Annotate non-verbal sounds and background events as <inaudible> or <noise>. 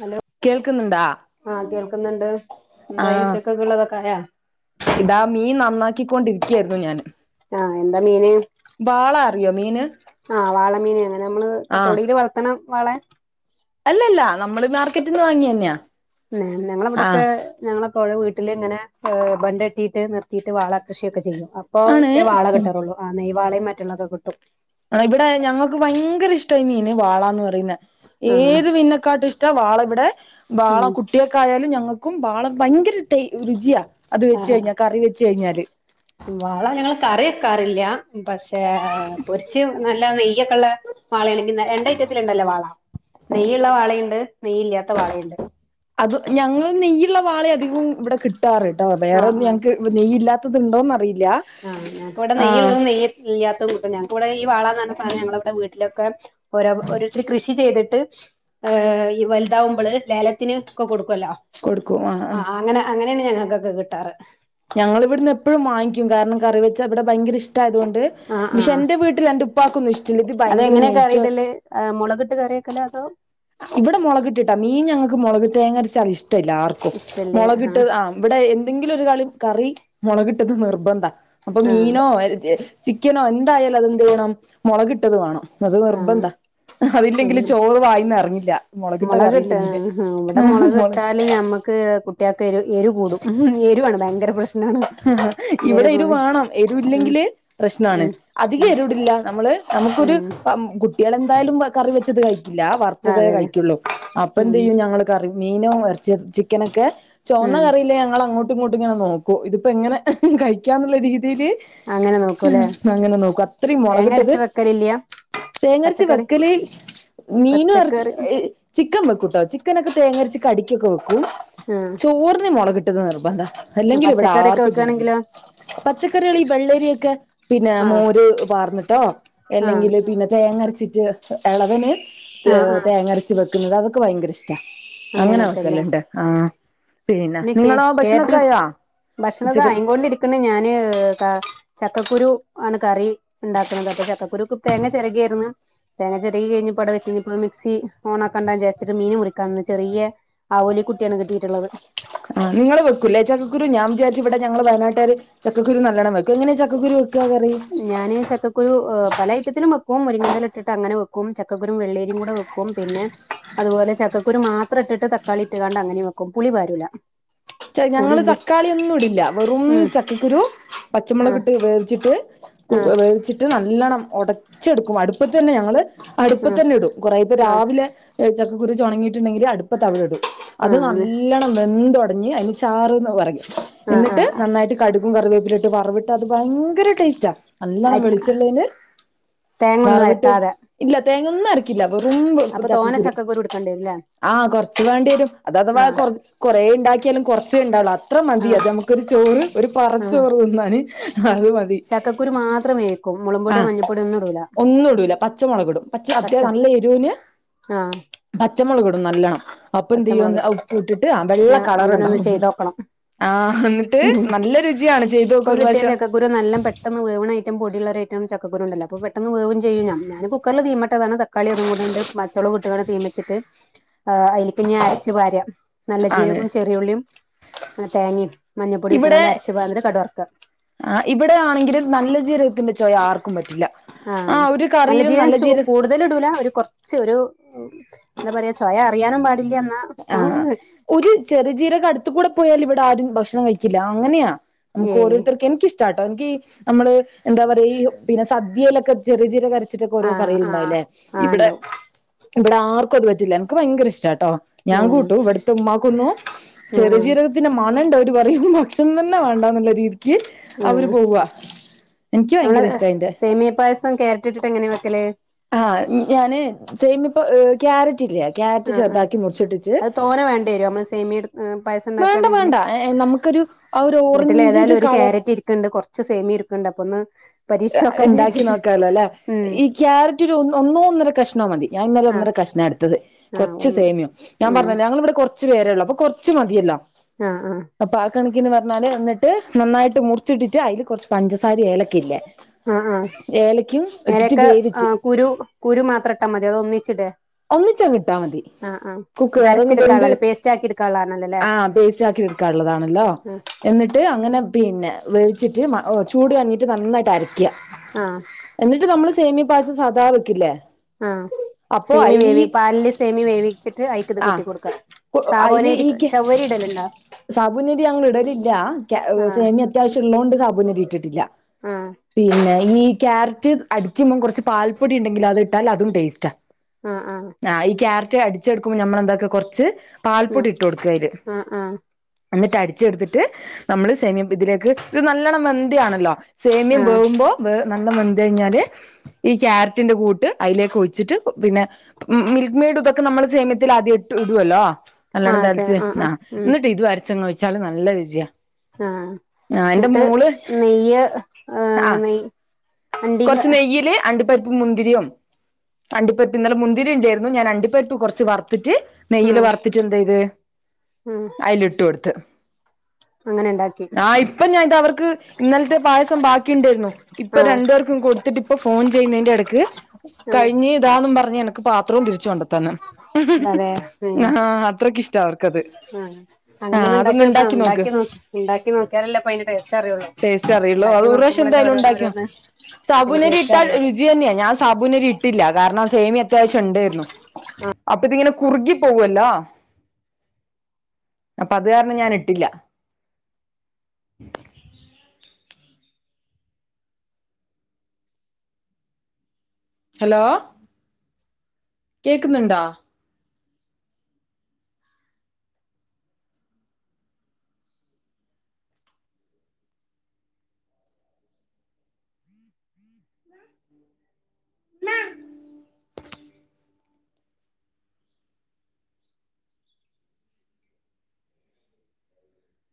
Hello കേൾക്കുന്നുണ്ടാ ആഹ് കേൾക്ക്ന്ന്ണ്ട് ന്തായി ആഹ് ഉച്ചക്കൊക്കെ ഉള്ളതൊക്കായ ഇതാ മീൻ നന്നാകിക്കൊണ്ടിരിക്കായിരുന്നു ഞാന് ആഹ് എന്താ മീന് ബാള അറിയോ മീന് ആഹ് വാളമീനെയങ്ങനെ മ്മള് ആഹ് തൊടീല് വളത്തണ വാളെ അല്ലല്ല നമ്മള് മാർക്കറ്റ്ന്ന് വാങ്ങിയന്നെയ ന്നേ ഞങ്ങളവിടൊക്കെ ഞങ്ങളൊക്കെ <unintelligible> വീട്ടിലിങ്ങനെ ഏഹ് ബണ്ടെട്ടീട്ട് നിർത്തീട്ട് വാളകൃഷിയൊക്കെ ചെയ്യും അ ആണ് പ്പൊക്കെ വാള കിട്ടാറുള്ളൂ ആ നെയ് വാളയും മറ്റുള്ളതൊ കിട്ടും ആഹ് ഇവിടെ ഞങ്ങക്ക് ഭയങ്കര ഇഷ്ടാ ഈ മീന് വാളാന്ന് പറയുന്നെ ആഹ് ഏത് മീനെക്കാട്ടും ഇഷ് ട്ട വാളയിവിടെ വാള ഉം കുട്ടിയാക്കായാലും ഞങ്ങക്കും വാള ഭയങ്കര ടെയ് രുചിയാ അത് വെച്ച് ആഹ് കയ്ഞ്ഞാ കറി വെച്ചയ്ഞ്ഞാല് വാള ഞങ്ങള് കറി വെക്കാറില്ല പഷേ പൊരിച്ച് നല്ല നെയ്യൊക്കെള്ള വാളയാണെങ്കി നെ രണ്ടയ്റ്റത്തില്ണ്ടല്ലോ വാള നെയ്യിള്ള വാളീണ്ട് നെയ്യില്ലാത്ത വാളീണ്ട് അത് ഞങ്ങള് നെയ്യ്ള്ള വാളയധികോ ഇവിടെ കിട്ടാറ്ട്ടോ ആഹ് വേറൊന്നും ആഹ് ഞങ്ങക്ക് വ് നെയ്യില്ലാത്തത്ണ്ടോന്നറിയില്ല ആഹ് ഞക്കിവിടെ നെയ്യള്ളതും നെയ്യ് ഇല്ലാത്തതും കിട്ടും ഞങ്ങക്കിവിടെ ഈ വാളാന്ന് പറഞ്ഞ സാനം ഞങ്ങളവിടെ വീട്ടിലൊക്കെ ഓരോ ഓരോരുത്തര് കൃഷി ചെയ്തിട്ട് ഏഹ് ഇ വലുതാവുമ്പള് ലേലത്തിന് ക്കെ കൊടുക്കല്ലോ ആഹ് ആഹ് അങ്ങനെ അങ്ങനെയാണ് ഞങ്ങക്കൊക്കെ കിട്ടാറ് ഞങ്ങളിവിടുന്നപ്പൊഴും വാങ്ങിക്കും കാരണം കറി വെച്ചാ ഇവിടെ ഭയങ്കര ഇഷ്ടായതുകൊണ്ട് ആഹ് ഷേ ആഹ് എൻ്റെ വീട്ടിലെന്റുപ്പാക്കൊന്നുഷ്ട്ടില്ല ഇത് ഭയങ്കര അതെങ്ങനെയാ നെയ്ച്ചോ കറിയിടല് മുളകിട്ട് കറി വെക്കലോ അതോ വിടെ മൊളകിട്ടിട്ടാ മീൻ ഞങ്ങക്ക് മൊളക് തേങ്ങ രച്ചാലിഷ്ടെല്ലാർക്കും മൊളക് ട്ടത് ആഹ് വിടെ എന്തെങ്കിലൊരു കളി കറി മൊളകിട്ടത് നിർബന്ധാ അപ്പം ആഹ് മീനോ <unintelligible> ചിക്കനോ ന്തായാലും അതെന്തെയ്യണം മൊളകിട്ടത് വാണം അത് ആഹ് നിർബന്ധ അഹ് അതില്ലെങ്കില് ആഹ് ചോറ് വായിന്നെറങ്ങില്ല മൊളകിട്ട കറില്ലെങ്കില് <unintelligible> ല്ല ഞമ്മക്ക് കുട്ടിയക്ക് എരു എരു കൂടും ഉഹും എരുവാണ് ഭയങ്കര പ്രശ്നാണ് ഇവിടെ എരു വാണം ഉം എരുയില്ലെങ്കില് പ്രശ്നാണ് ഉം ഉം അധികെരുടില്ല നമ്മള് നമുക്കൊരു ഉം അ കുട്ട്യളെന്തായാലും വ കറി വെച്ചത് കയ്ക്കില്ല വർത്തതേ അതെ അതെ കയ്ക്കുള്ളൂ ഉം അപ്പന്തെയ്യും ഞങ്ങള് കറി മീനോ എർച്ചിയോ ചിക്കനൊക്കെ ചൊവന്ന ഉം കറിയില്ലേ ഞങ്ങളങ്ങോട്ടു ങ്ങോട്ടു ങ്ങനെ നോക്കു ഇത് പ്പെങ്ങനെ കഴിക്കാന്നുള്ളെ രീ രീതി അങ്ങനെ നോക്കൂല്ലേ ഹ് അങ്ങനെ നോക്കും അത്രയ് തേങ്ങ മൊളകിട്ടത് അരച്ച് വെക്കലില്ല തേങ്ങരച്ച് പച്ചക്കറി വെക്കല് മീനു എറച്ചി പച്ചക്കറി ഏ ചിക്കം വെക്കുട്ടോ ചിക്കനൊക്കെ തേങ്ങരച്ച് കടിക്കൊക്കെ വെക്കു ആഹ് പൂർണ് മൊളകിട്ടത് നിർബന്ധാ അല്ലെങ്കിലിവിടാർ ക്കാണെങ്കിലോ? പച്ചക്കറികളി വെള്ളരിയൊക്കെ പിന്നെ ആഹ് മോര് പാർന്നിട്ടോ ആഹ് എല്ലെങ്കില് പിന്നെ തേങ്ങരച്ചിറ്റ് എ എളവന് ത് ആഹ് ആഹ് തേങ്ങരച്ച് വെക്കുന്നത് അതൊക്കെ ഭയങ്കര ഷ് ടാ അങ്ങനെ അങ്ങനെയാണ് വെക്കല്ലേ വെക്കല്ണ്ട്. ആഹ് പിന്ന നിങ്ങളോ? ഭക്ഷണൊക്കായോ? ഭക്ഷണത ആയിങ്കൊണ്ടിരിക്ക്ണ് ഞാന് താ ചക്കക്കുരു ആണ് കറി ണ്ടാക്ക്ണത് അപ്പൊ ചക്കക്കുരുക്ക് തേങ്ങ ചെര <unintelligible> തേങ്ങ ചെരകിയ ഞ്ഞി പട വെച്ചി ഞ്ഞിപ്പ മിക്സി ഓണാക്കാണ്ട ചാരിച്ച്ട്ട് മീൻ മുറിക്കാൻന്ന് ചെറിയെ ആവോലി കുട്ട്യാണ് കിട്ടീട്ടുള്ളത് ആഹ് നിങ്ങള് വെക്കുല്ലേ ചക്കുരു ഞാം ചാരിച്ച് വ്ട ഞങ്ങള് വയനാട്ടാര് ചക്കക്കുരു നല്ലണം വക്കു എങ്ങനെ ചക്കുരു വെക്ക കറി? ഞാന് ചക്കക്കുരു അ പല ഐറ്റത്തിലും വെക്കും മുരിങ്ങന്റല ട്ടിട്ട ങ്ങനെ വെക്കും ചക്കക്കുരും വെള്ളരിം കൂട വെക്കും പിന്നെ അതുപോലെ ചക്കക്കുരു മാത്ര ട്ട്ട്ട് തക്കാളി ഇട്ട കാണ്ട് അങ്ങനെ വെക്കും പുളി പാരുല്ല ച്ച ഞങ്ങള് തക്കാളി ഒന്നുടില്ല വെറും ഉം ചക്കക്കുരു ആഹ് പച്ചമുളകിട്ട് വേവ്ച്ചിട്ട് ആഹ് <unintelligible> വെച്ചിട്ട് നല്ലണം ഒടച്ചെടുക്കും അടുപ്പത്തന്നെ ഞങ്ങള് അടുപ്പ ആഹ് തന്നെ ടും കൊറേ ഇപ്പ ആഹ് രാവിലെ എ ചക്കക്കുരു ചൊണങ്ങിട്ടുണ്ടെങ്കില് അടു പ്പ തവിടെടും അത് ആഹ് നല്ലണം വെന്തൊടഞ്ഞ് അയിന് ചാറ്ന്ന പറിയ ആഹ് എന്നിട്ട് ആഹ് നന്നായിട്ട് കടുകും കറിവേപ്പിലിട്ട് വറവിട്ടാത് ഭയങ്കര ടെയ്സ്റ്റാ നല്ലണം അരി വെളിച്ചെണ്ണേല് തേങ്ങ ഒന്നും വറവ്ട്ട് അരക്കാതെ ഇല്ല തേങ്ങൊന്നു അര ക്കില്ല വെറും വ് അപ്പൊ തോനെ ചക്കക്കുരു എടുക്കേണ്ടി വരുംല്ലേ ആഹ് കൊർച്ച് വേണ്ട്യരും അതഥവാ ആഹ് കൊർ കൊറേ ണ്ടാ ലും കൊറച്ചേ ണ്ടാകുള്ളൂ അത്ര മതി ആഹ് അത് നമുക്ക് ഒരു ചോറ് ഒരു പറ ആഹ് ചോറ് തിന്നാന് അഅ് മ തി ചക്കക്കുരു മാത്രം വേവിക്കും മുളക്പൊടിയോ ആഹ് മഞ്ഞപ്പൊടിയോ ഒന്നും ഇടൂല ഒന്നുടൂല പച്ചമൊളക് ടും പച്ച അത്യാ നല്ല എരുന് ആഹ് പച്ചമൊളക് ടും നല്ലണം അപ്പൊ ന്തെയ്യു പച്ചമുളക് ന്ന് അ ഉപ്പുട്ടിട്ട് ആ വെള്ള ഞാ അങ്ങനെ ഒന്ന് കളറ്ണ്ടാവും ചെയ്തോക്കണം ആഹ് ന്നിട്ട് നല്ല രുചിയാണ് ചെയ്തോക്കൊര് റാശ്യം ക്കുരു നല്ല പെട്ടെന്ന് വേവണ ഐറ്റം പൊടിള്ളൊരൈറ്റം ചക്കക്കുരു ണ്ടല്ലൊ അപ്പോ പെട്ടെന്ന് വേവെം ചെയ്യു ഞ ഞാന് കുക്കർല് തീ മട്ടതാണത ക്കാളി ഒന്നും കൂടാണ്ട് <unintelligible> തീമിച്ചിട്ട് ആ അയിലേക്ക് ഞ്ഞി അരച്ചു പാര നല്ല ആണ് ജീരകൊം ചെറിയുള്ള്യും അ തേങ്ങ്യും മഞ്ഞ പൊടിയുട്ട് ഇവിടെ കാണ്ട് അരച്ചു പാർന്ന് കട് വർക്ക ആഹ് ഇവിടെ ആണെങ്കില് നല്ല ജീരകത്തിന്റെ ചൊയ ആർക്കും പറ്റില്ല ആഹ് ഒരു കറിയിലും നല്ല ജീര ടല് ടുല ഒരു കൊർച്ച് ഒരു ന്താ പറയാ ചൊയ അറിയാനും പാടില്ല ന്നാ ആഹ് ഒരു ചെറിയ ജീരകടുത്ത് കൂടെ പോയാലിവ്ടാരും ഭക്ഷണം കഴിക്കില്ല ആ അങ്ങനെയാ ഏഹ് മുക്കോരോരുത്തർക്കെ നിക്കിഷ്ടാട്ടോ എൻകി നമ്മള് എന്താ പറിയാ ഈ പിന്നെ സദ്യയിലൊക്കെ ചെറിയ ജീരകര ച്ച്ട്ടൊക്കെ ഓരോ ആഹ് കറീല് ണ്ടാവ് ആഹ് ലേ ആഹ് ഇവിടെ ഇണ്ടാവും ഇബ്ടെ ആർക്കുഅത് പറ്റൂല്ല എനിക്ക് ഭയങ്കര ഇഷ്ടാട്ടോ ഞാൻ ആഹ് കൂട്ടും ഇവിടത്തെ ഉമ്മാക്കുന്നു ചെറിയ ആഹ് ജീരകത്തിന്റെ മനണ്ടോ വര് പറയും ക്ഷണം തന്നെ വേണ്ടാന്നുള്ള രീതിക്ക് അവര് പോവാ എനിക്ക് ഇങ്ങള് ഭയങ്കര ഇഷ്ടാ അയിന്റെ സേമിയപ്പായസം ക്യാരറ്റ് ട്ടിട്ട് എങ്ങനെയാ വെക്കല് ആഹ ഞാന് സെമ പ്പ ക്യാരറ്റ് ഇല്ലെ ക്യാരറ്റ് ചെറുതാക്കി മുറിച്ചിട്ടിട്ടിച്ച് അ ത്ര വേണ്ട വര നമ്മ സെമിയട് മ് പായസ വേണ്ട ഉണ്ടാക്കാണെങ്കിൽ വേണ്ട നമുക്കൊരു ആ ഒരു വീട്ടിൽ ഓറഞ്ച് ഏതായാലും ഒരു കളർ ക്യാരറ്റ് ഇരിക്കണ്ട് കുറച്ച് ച്ച് സേമിയാ ഇരിപ്പണ്ട് അപ്പൊന്ന് ഇണ്ടാക്കി നോക്കാല്ലോ ല്ലെ ഉം ഈ ക്യാരറ്റരു ഒന്നോ ഒന്നര കഷ്ണോ മതി ഞാൻ ഇന്നലെ ആഹ് ഒന്നര കഷ്ണാണ് എടുത്തത് ആഹ് കുറച്ച് ഒന്ന് സേമിയം. ഞാൻ ഉം പറഞ്ഞല്ലൊ ഞങ്ങളിവിടെ കുറച്ച് പേരേ ഉള്ളൂ അപ്പൊ കൊറച്ച് മതിയല്ലൊ ആഹ് ആഹ് അപ്പൊ ആ കണക്കിന് പറഞ്ഞാല് ഇന്നിട്ട് നന്നായിട്ട് മുറിച്ചിട്ടിട്ട് അയില് കുറച്ച് പഞ്ചസാരി ഏലയ്ക്ക ഇല്ലേ ആ ആഹ് എലക്ക വേവിച്ച് ആ കുരു കുരു മാത്ര ട്ടാ മത്യോ അതോ ഒന്നിച്ചിടെ ഒന്നിച്ചങ്ങു ട്ടാമതി കുക് അതങ്ങ് വെന്ത് അരച്ചെടുക്കാനുള്ളല്ലേ പേസ്റ്റ് ആക്കി എടുക്കാനുള്ളതാണല്ലോല്ലേ ആ പേസ്റ്റ് ആക്കി എടു ക്കാള്ളതാണല്ലോ ആഹ് എന്നിട്ട് അങ്ങനെ പിന്നെ വേവിച്ചിട്ട് മ ഓ ചൂട് കഞ്ഞിട്ട് നന്നായിട്ടരക്ക്യ ആഹ് എന്നിട്ട് നമ്മള് സേമി പായസം സദാ വെക്കില്ലേ ആഹ അപ്പൊ സേമി അയില് ഈ വേവി പാലില് സേമി വേവിച്ചിട്ട് അയി ക്ക് ത് കൂട്ടി കൊടുക്കാ അയിൽ ഈ സാബൂനരി ഞങ്ങളിടലില്ല ആഹ് സേമിയ അത്യാവശ്യം ഉള്ളോണ്ട് സാബൂനരി ഇട്ടിട്ടില്ല ഉം പിന്നെ ഈ ക്യാരറ്റ് അടിക്കുമ്പോം കുറച്ച് പാൽപ്പൊടി ഉണ്ടെങ്കിലും അത് ഇട്ടാൽ അതും ടേസ്റ്റാ ആഹ് ആഹ് ആ ഈ ക്യാരറ്റ് അടിച്ചെടുക്കുമ്പോൾ നമ്മൾ എന്താക്കാ കുറച്ച് ആഹ് പാൽപ്പൊടി ഇട്ട് കൊടുക്കാ അയിലേക്ക് ആഹ് എന്നിട്ട് അടിച്ചെടുത്തിട്ട് നമ്മള് സേമിയപ്പത്തിലേക് ഇത് നല്ലോണ്ണം വെന്ത് കാണുല്ലോ സേമ്യം ആഹ് വേവുമ്പോ നല്ലം വെന്ത് കഴിഞ്ഞാല് ഈ ക്യാരറ്റിന്റെ കൂട്ട് അയിലേക്ക് ഒച്ചിട്ട് പിന്നെ മിൽക്ക് മെയഡ് ഇതൊക്കെ നമ്മൾ സേമയത്തിൽ ആദ്യ ഇട്ട് ഇടുല്ലോ നല്ലോണം ആഹ് സെ താളിച്ച് ആഹ് ഉം എന്നിട്ട് ഇത് അരച്ചങ്ങ് ഒഴിച്ചാല് നല്ല രുചിയ ആഹ് എന്നിട്ട് നെയ്യ് ഏഹ് ആഹ് നെയ് അണ്ടിങ്ങ് കൊറച്ച് നെയ്യില് അണ്ടിപ്പരിപ്പ് മുന്തിരിയും അണ്ടിപ്പരിപ്പ് ഇന്നലെ മുന്തിരി ഉണ്ടായിരുന്നു ഞാൻ അണ്ടിപ്പരിപ്പ് കുറച്ച് വറ് എന്നിട്ട് നെയിൽ ആഹ് വറുത്തിട്ട് എന്ത് ചെയ്ത് ആഹ് അതിൽ ഇട്ട് കൊടുത്ത് അങ്ങനെ ണ്ടാക്കി ആഹ് ഇപ്പ ഞാനിത് അവർക്ക് ഇന്നലത്തെ പായസം ബാക്കിയുണ്ടായിരുന്നു ഇപ്പൊ ആഹ് രണ്ട കൊടുത്തിട്ട് ഇപ്പോ ഫോണ് ചെയ്യുന്നതിന്റെ ഇടക്ക് ആഹ് കഴിഞ്ഞ് ഇതാ പറഞെണ് ഇന്ക്ക് പാത്രവും തിരിച്ച് കൊണ്ട് തന്ന് അതെ ഉം ആ അത്രക്കിഷ്ട അവർക്കത് ആഹ് ആഹ് അങ്ങനൊന്ന് ഉണ്ടാക്കി അതൊന്ന് നോക്കണം ഇണ്ടാക്കി നോക്ക് ഉണ്ടാക്കി നോ ഉണ്ടാക്കി നോക്കിയാലല്ലേ അതിന്റെ ടേസ്റ്റ് അറിയുള്ളൂ ടേസ്റ്റ് അറിയൊള്ളു അത് ണ്ടാക്കി ഒരു പ്രാവശ്യം നോക്കുമ്പളല്ലേ എന്തായാലും ഓരോന്ന് ഉണ്ടാക്കിയാ ഓരോന്ന് അയിന്റെ സാബൂനരി ടേസ്റ്റ് ഇട്ടാൽ അറിയുള്ളൂ രുചി തന്നെയാ ഞാൻ സാബൂനരി ഇട്ടില്ല കാരണം സേമിയ അത്യാവശ്യം ഉണ്ടായിരുന്നു അപ്പ ഇതിങ്ങനെ കുറുകി പോകൊല്ലോ അപ്പൊ അത് കാരണം ഞാൻ ഇട്ടില്ല ഹലോ കേക്കുന്നുണ്ടോ? <unintelligible> മ്മാ